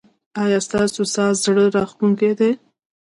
ایا ستاسو ساز زړه راښکونکی دی؟